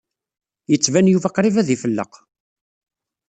Yettban Yuba qṛib ad ifelleq.